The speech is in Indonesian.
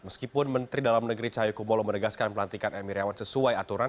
meskipun menteri dalam negeri cahayu kumolo menegaskan pelantikan m iryawan sesuai aturan